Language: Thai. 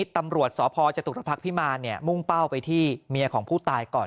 ตำรวจสพจตุรพักษ์พิมารมุ่งเป้าไปที่เมียของผู้ตายก่อน